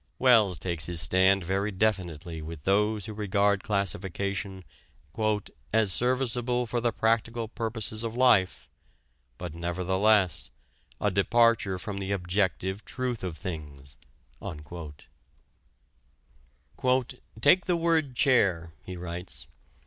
Wells takes his stand very definitely with those who regard classification "as serviceable for the practical purposes of life" but nevertheless "a departure from the objective truth of things." "Take the word chair," he writes.